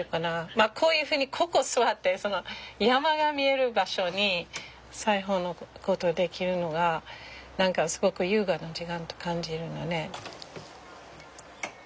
まあこういうふうにここ座って山が見える場所に裁縫のことできるのが何かすごく優雅な時間と感じるのね。